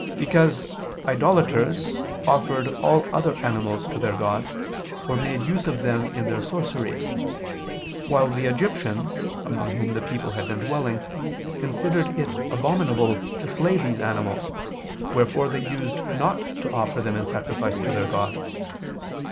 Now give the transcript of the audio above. Because idolaters offered all other animals to their gods, or made use of them in their sorceries: while the Egyptians (among whom the people had been dwelling) considered it abominable to slay these animals, wherefore they used not to offer them in sacrifice to their gods.